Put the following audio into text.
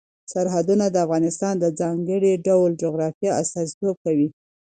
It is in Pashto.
سرحدونه د افغانستان د ځانګړي ډول جغرافیه استازیتوب کوي.